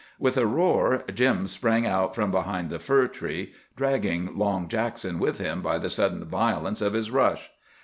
With a roar Jim sprang out from behind the fir tree, dragging Long Jackson with him by the sudden violence of his rush.